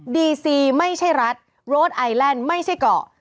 ดีซีไม่ใช่รัฐโรดไอแลนด์ไม่ใช่เกาะ